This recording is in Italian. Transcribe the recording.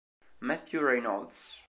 Matthew Reynolds